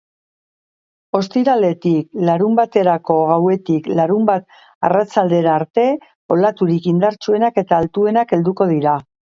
Ostiraletik larunbaterako gauetik larunbat arratsaldera arte olaturik indartsuenak eta altuenak helduko dira.